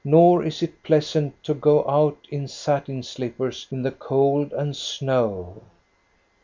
Nor is it pleasant to go out in satin slippers in the cold and snow."